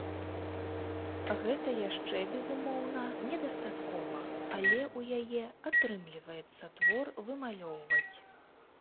Гэта яшчэ, безумоўна, недастаткова, але у яе атрымліваецца твор вымалёўваць.